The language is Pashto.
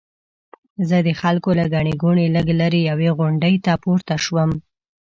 زه د خلکو له ګڼې ګوڼې لږ لرې یوې غونډۍ ته پورته شوم.